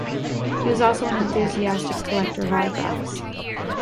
He was also an enthusiastic collector of autographs.